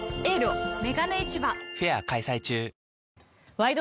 「ワイド！